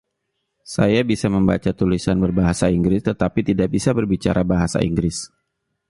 Saya bisa membaca tulisan berbahasa Inggris, tetapi tidak bisa berbicara bahasa Inggris.